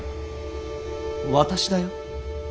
私だよ